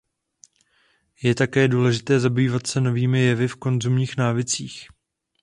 Je také důležité zabývat se novými jevy v konzumních návycích.